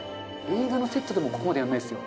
映画のセットでもここまでやんないっすよ。